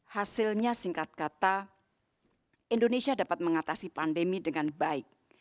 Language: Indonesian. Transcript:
hasilnya singkat kata indonesia dapat mengatasi pandemi dengan baik